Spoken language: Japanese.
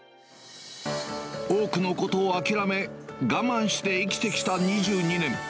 多くのことを諦め、我慢して生きてきた２２年。